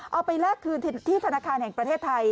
เอาไปแลกคืนที่ธนาคารแห่งประเทศไทย